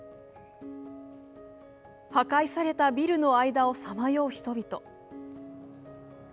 破壊されたビルの間をさまよう人々。